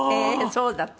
そうだって。